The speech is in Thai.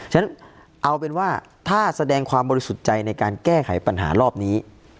ฉะนั้นเอาเป็นว่าถ้าแสดงความบริสุทธิ์ใจในการแก้ไขปัญหารอบนี้